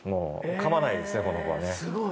かまないですね、この子は。